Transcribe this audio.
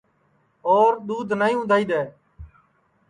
اور دؔودھ نائی اُندھائی دؔے